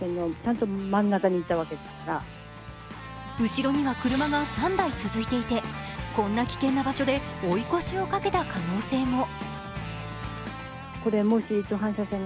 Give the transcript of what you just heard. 後ろには車が３台続いていてこんな危険な場所で追い越しをかけた可能性も。